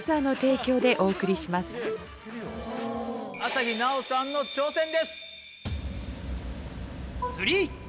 朝日奈央さんの挑戦です。